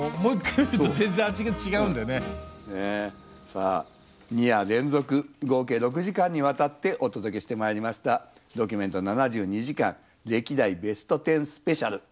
さあ２夜連続合計６時間にわたってお届けしてまいりました「ドキュメント７２時間歴代ベスト１０スペシャル」。